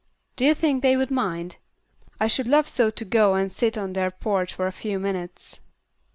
Do you think they would mind? I should love so to go and sit on that porch for a few minutes."